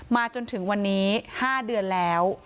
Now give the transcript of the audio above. จนถึงวันนี้๕เดือนแล้ว